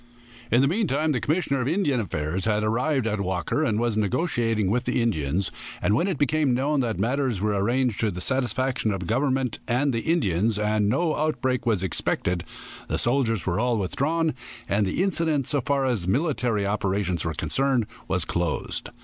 In the meantime the commissioner of Indian affairs had arrived at Walker, and was negotiating with the Indians, and when it became known that matters were arranged to the satisfaction of the government and the Indians and no outbreak was expected the soldiers were all withdrawn, and the incident, so far as military operations were concerned, was closed.